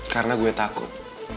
karena gue takut